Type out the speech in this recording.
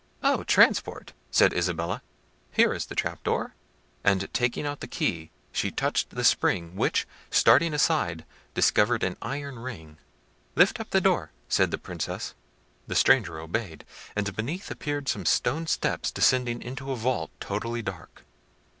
"Oh! transport!" said Isabella; "here is the trap door!" and, taking out the key, she touched the spring, which, starting aside, discovered an iron ring. "Lift up the door," said the Princess. The stranger obeyed, and beneath appeared some stone steps descending into a vault totally dark.